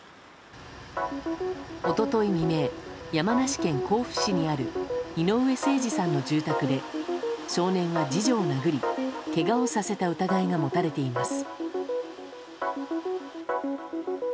一昨日未明、山梨県甲府市にある井上盛司さんの住宅で少年は次女を殴りけがをさせた疑いが持たれています。